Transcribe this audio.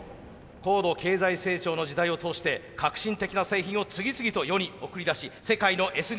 高度経済成長の時代を通して革新的な製品を次々と世に送り出し世界のＳニーに上り詰めました。